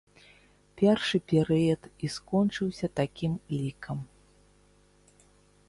Першы перыяд і скончыўся такім лікам.